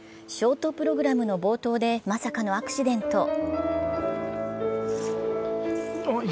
ショートプログラムの冒頭でまさかのアクシデント。